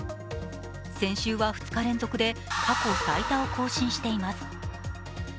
先週は２日連続で過去最多を更新しています。